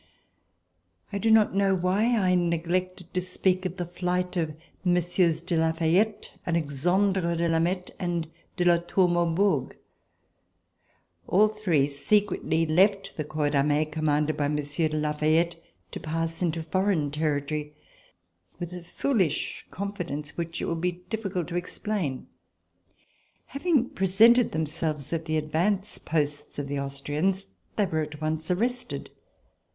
I do not know why I neglected to speak of the flight of Messieurs de La Fayette, Alexandre de Lameth and de La Tour Maubourg. All three secretly left the corps d'armee commanded by Monsieur de La Fayette, to pass into foreign territory, with a foolish confidence which it would be diflficult to ex plain. Having presented themselves at the advance posts of the Austrians, they were at once arrested.